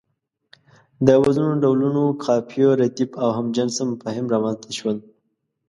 د وزنونو ډولونه، قافيو، رديف او هم جنسه مفاهيم رامنځ ته شول.